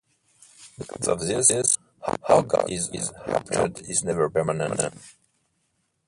Because of this, how God is apprehended is never permanent.